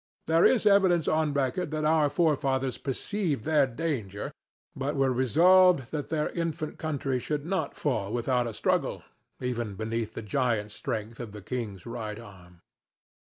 There is evidence on record that our forefathers perceived their danger, but were resolved that their infant country should not fall without a struggle, even beneath the giant strength of the king's right arm.